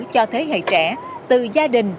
cho thế hệ trẻ từ gia đình